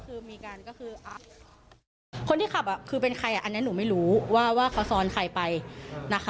คือมีการก็คือคนที่ขับคือเป็นใครอ่ะอันนี้หนูไม่รู้ว่าเขาซ้อนใครไปนะคะ